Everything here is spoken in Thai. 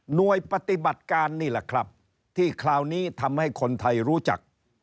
ปฏิบัติการนี่แหละครับที่คราวนี้ทำให้คนไทยรู้จัก